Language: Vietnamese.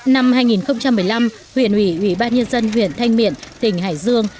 năm hai nghìn một mươi năm huyện ủy ủy ban nhân dân huyện thanh miện tỉnh hải dương